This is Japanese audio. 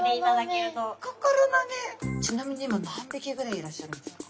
ちなみに今何匹ぐらいいらっしゃるんですか？